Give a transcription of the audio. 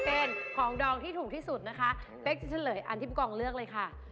เป็นของดองที่ถูกที่สุดนะคะเป๊กจะเฉลยอันที่ผู้กองเลือกเลยค่ะ